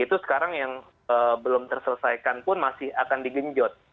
itu sekarang yang belum terselesaikan pun masih akan digenjot